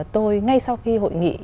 tôi ngay sau khi hội nghị